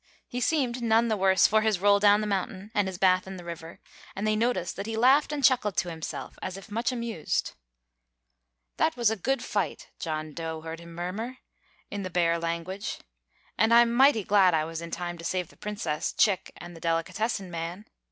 He seemed none the worse for his roll down the mountain and his bath in the river, and they noticed that he laughed and chuckled to himself as if much amused. "That was a good fight," John Dough heard him murmur, in the bear language; "and I'm mighty glad I was in time to save the Princess, Chick, and the delicatessen man.